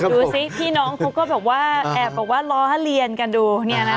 ดูสิพี่น้องเขาก็แบบว่าแอบบอกว่าล้อเลียนกันดูเนี่ยนะ